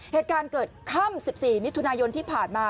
เหตุการณ์เกิดค่ำ๑๔มิถุนายนที่ผ่านมา